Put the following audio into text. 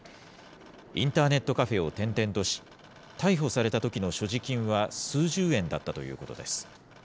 インターネットカフェを転々とし、逮捕されたときの所持金は数十円だったということです。